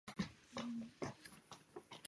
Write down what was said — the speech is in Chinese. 石街道是下辖的一个街道办事处。